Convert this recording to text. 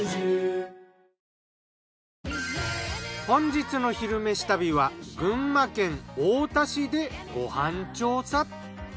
本日の「昼めし旅」は群馬県太田市でご飯調査。